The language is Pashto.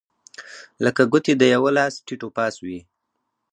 لکه ګوتې د یوه لاس ټیت و پاس وې.